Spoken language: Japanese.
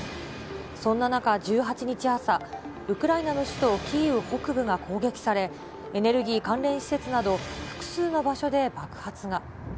そんな中、１８日朝、ウクライナの首都キーウ北部が攻撃され、エネルギー関連施設など、複数の場所で爆発が。